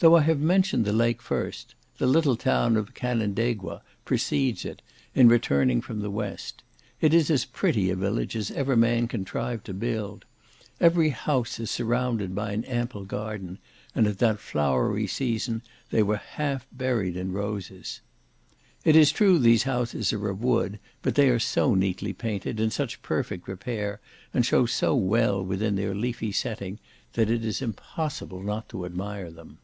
Though I have mentioned the lake first, the little town of Canandaigua precedes it, in returning from the West. It is as pretty a village as ever man contrived to build. Every house is surrounded by an ample garden, and at that flowery season they were half buried in roses. It is true these houses are of wood, but they are so neatly painted, in such perfect repair, and show so well within their leafy setting, that it is impossible not to admire them.